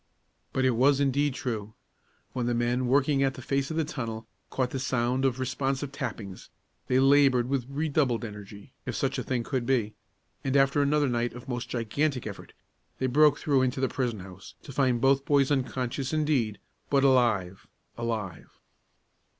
But it was indeed true. When the men, working at the face of the tunnel, caught the sound of responsive tappings, they labored with redoubled energy, if such a thing could be, and, after another night of most gigantic effort, they broke through into the prison house, to find both boys unconscious indeed, but alive, alive.